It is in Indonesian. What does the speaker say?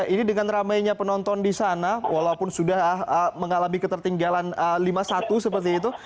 ini dengan ramainya penonton di sana walaupun sudah mengalami ketertinggalan lima satu seperti itu